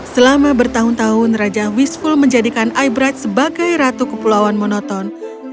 selama bertahun tahun raja wisful menjadikan eyebrite sebagai ratu kepulauan monoton